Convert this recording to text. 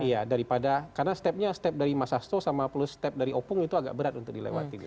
iya daripada karena stepnya step dari mas hasto sama plus step dari opung itu agak berat untuk dilewati gitu